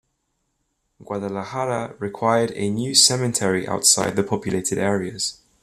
Guadalajara required a new Cemetery outside the populated areas.